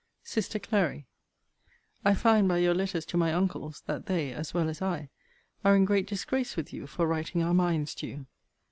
SISTER CLARY, I find by your letters to my uncles, that they, as well as I, are in great disgrace with you for writing our minds to you.